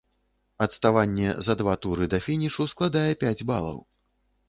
Адставанне за два туры да фінішу складае пяць балаў.